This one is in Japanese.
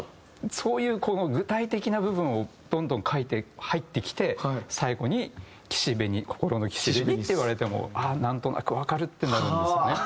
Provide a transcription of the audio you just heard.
そういう具体的な部分をどんどん書いて入ってきて最後に「心の岸辺に」って言われてもああなんとなくわかるってなるんですよね。